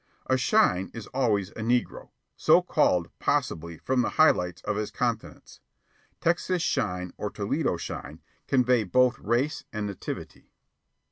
A "shine" is always a negro, so called, possibly, from the high lights on his countenance. Texas Shine or Toledo Shine convey both race and nativity.